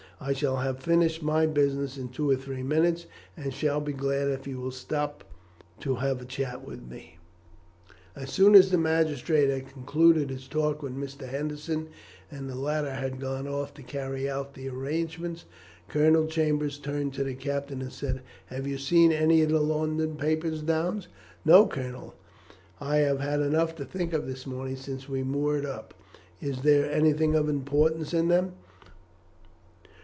I shall have finished my business in two or three minutes, and shall be glad if you will stop to have a chat with me." As soon as the magistrate had concluded his talk with Mr. Henderson, and the latter had gone off to carry out the arrangements, Colonel Chambers turned to the captain and said, "Have you seen any of the London papers, Downes?" "No, Colonel. I have had enough to think of this morning since we moored up. Is there anything of importance in them?"